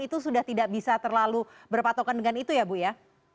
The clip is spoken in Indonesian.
itu sudah tidak bisa terlalu berpatokan dengan itu ya bu ya